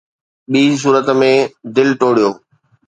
ٻي صورت ۾، دل ٽوڙيو